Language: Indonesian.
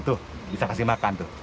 tuh bisa kasih makan tuh